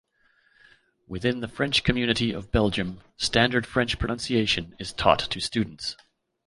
Within the French community of Belgium, standard French pronunciation is taught to students.